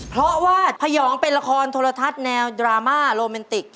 เพราะว่าพยองเป็นละครโทรทัศน์แนวดราม่าโรแมนติก